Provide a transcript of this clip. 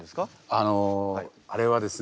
あのあれはですね